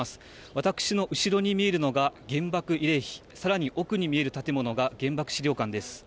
私の後ろに見えるのが原爆慰霊碑、さらに奥に見える建物が原爆資料館です。